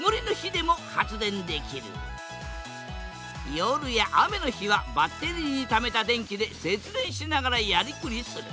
夜や雨の日はバッテリーにためた電気で節電しながらやりくりする。